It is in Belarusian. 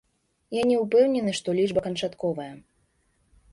Я не ўпэўнены, што лічба канчатковая.